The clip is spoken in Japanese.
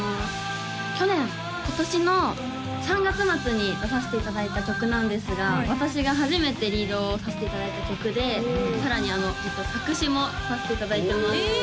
去年今年の３月末に出させていただいた曲なんですが私が初めてリードをさせていただいた曲でさらに作詞もさせていただいてます